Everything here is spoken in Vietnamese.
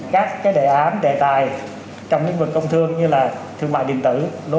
các đề án đề tài trong lĩnh vực công thương như là thương mại điện tử